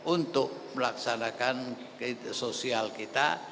untuk melaksanakan sosial kita